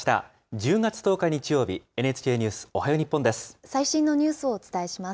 １０月１０日日曜日、ＮＨＫニュースおはよう日本です。